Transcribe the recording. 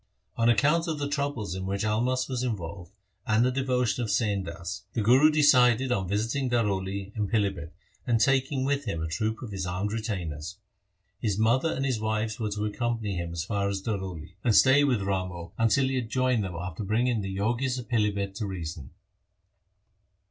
On account of the troubles in which Almast was involved, and the devotion of Sain Das, the Guru decided on visiting Daroli and Pilibhit, and taking with him a troop of his armed retainers. His mother and his wives were to accompany him as far as Daroli, and stay with Ramo until he e 2 52 THE SIKH RELIGION joined them after bringing the Jogis of Pilibhit to reason.